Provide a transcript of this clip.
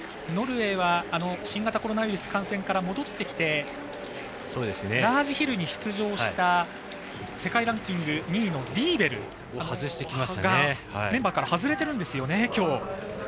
ノルウェーは新型コロナウイルス感染から戻ってきてラージヒルに出場した世界ランキング２位のリーベルがメンバーから外れてるんですよね。